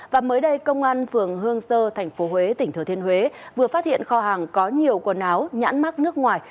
và mới đây công an phường hương sơ tp huế tỉnh thừa thiên huế vừa phát hiện kho hàng có nhiều quần áo nhãn mắc nước ngoài